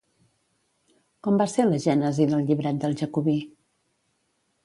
Com va ser la gènesi del llibret d'El jacobí?